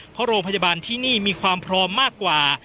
เพราะโรงพยาบาลที่นี่มีความพร้อมมากกว่า